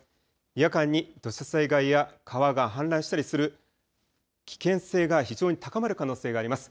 夜間に土砂災害や川が氾濫したりする危険性が非常に高まる可能性があります。